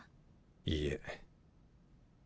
いいえ。